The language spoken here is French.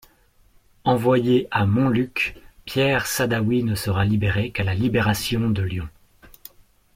Envoyé à Mont Luc, Pierre Sadaoui ne sera libéré qu’à la libération de Lyon.